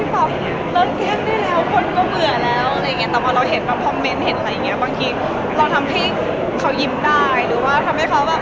ที่ไม่ได้แล้วคนก็เบื่อแล้วต่อมาเราเห็นคำเห็นคำแบบ